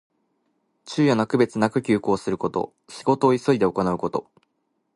昼夜の区別なく急行すること。仕事を急いで行うこと。